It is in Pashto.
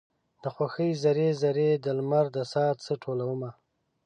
د خوښۍ ذرې، ذرې د لمر د ساه څه ټولومه